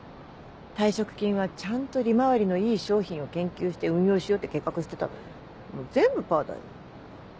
退職金はちゃんと利回りのいい商品を研究して運用しようって計画してたのにもう全部パだよ。